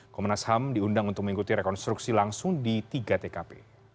komnas ham diundang untuk mengikuti rekonstruksi langsung di tiga tkp